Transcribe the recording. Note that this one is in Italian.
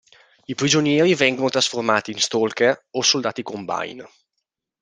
I prigionieri vengono trasformati in Stalker o Soldati Combine.